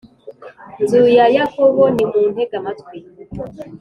nzu ya yakobo, nimuntege amatwi,